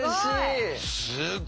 すごい。